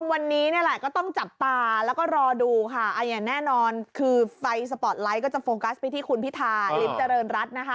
วันนี้นี่แหละก็ต้องจับตาแล้วก็รอดูค่ะอย่างแน่นอนคือไฟสปอร์ตไลท์ก็จะโฟกัสไปที่คุณพิธาริมเจริญรัฐนะคะ